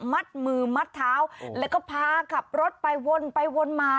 มัดมือมัดเท้าแล้วก็พาขับรถไปวนไปวนมา